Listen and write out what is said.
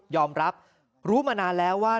รับรู้มานานแล้วว่า